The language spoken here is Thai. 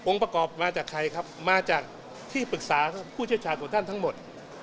องค์ประกอบมาจากใครครับมาจากที่ปรึกษาผู้ช่วยชาญต่อนทั้งหมด